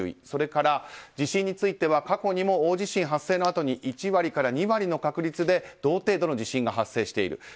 それから地震については過去にも大地震発生のあとに１割から２割の確率で同程度の地震が発生している。